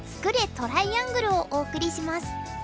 トライアングル」をお送りします。